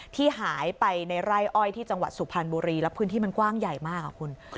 ที่หายไปในไร่อ้อยที่จังหวัดสุพรรณบุรีแล้วพื้นที่มันกว้างใหญ่มากอ่ะคุณ